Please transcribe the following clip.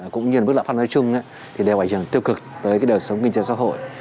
cũng như bức lạm pháp nói chung thì đều phải tiêu cực tới đời sống kinh tế xã hội